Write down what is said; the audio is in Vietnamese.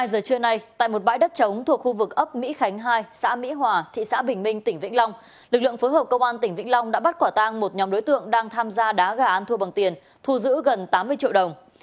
một mươi giờ trưa nay tại một bãi đất trống thuộc khu vực ấp mỹ khánh hai xã mỹ hòa thị xã bình minh tỉnh vĩnh long lực lượng phối hợp công an tỉnh vĩnh long đã bắt quả tang một nhóm đối tượng đang tham gia đá gà ăn thua bằng tiền thu giữ gần tám mươi triệu đồng